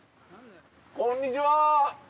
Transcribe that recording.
こんにちは。